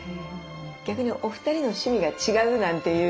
逆にお二人の趣味が違うなんていうことも？